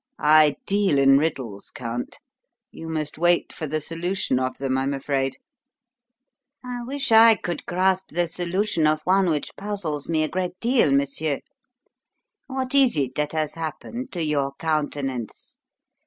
"I deal in riddles, Count; you must wait for the solution of them, I'm afraid." "I wish I could grasp the solution of one which puzzles me a great deal, monsieur. What is it that has happened to your countenance?